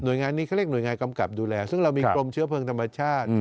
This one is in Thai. งานนี้เขาเรียกหน่วยงานกำกับดูแลซึ่งเรามีกรมเชื้อเพลิงธรรมชาติ